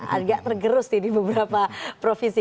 agak tergerus sih di beberapa provinsi